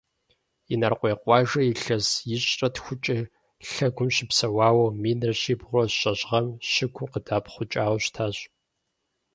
Инарыкъуей къуажэр илъэс ищӏрэ тхукӏэ лъэгум щыпсэуауэ, минрэ щибгъурэ щэщӏ гъэм щыгум къыдэӏэпхъукӏауэ щытащ.